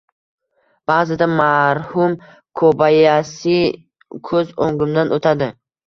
Ba`zida marhum Kobayasi ko`z o`ngimdan o`tadi